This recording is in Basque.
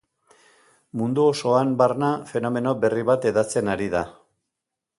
Mundu osoan barna fenomeno berri bat hedatzen ari da.